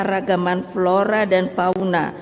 ragaman flora dan fauna